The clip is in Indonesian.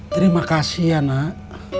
terima kasih ya nak